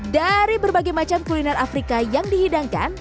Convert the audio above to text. dari berbagai macam kuliner afrika yang dihidangkan